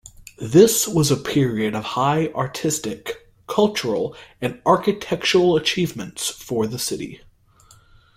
This was a period of high artistic, cultural and architectural achievements for the city.